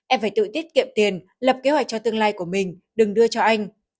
em phải tự tiết kiệm tiền lập kế hoạch cho tương lai của mình đừng đưa cho anh